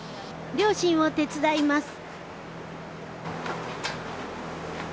両親を手伝います。